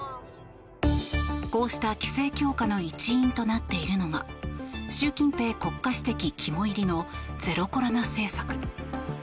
こうした規制強化の一因となっているのが習近平国家主席肝煎りのゼロコロナ政策。